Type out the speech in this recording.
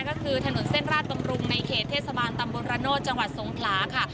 ก็คือถนนเส้นราชบำรุงในเขตเทศบาลตำบลระโนธจังหวัดสงขลาค่ะ